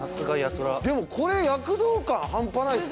でもこれ躍動感半端ないっすね。